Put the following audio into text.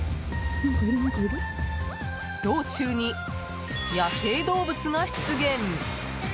道中に野生動物が出現。